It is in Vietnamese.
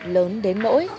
lớn đến nỗi